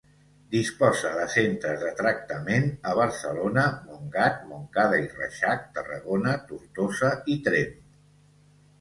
Disposa de centres de tractament a Barcelona, Montgat, Montcada i Reixac, Tarragona, Tortosa i Tremp.